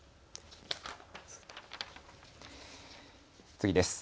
次です。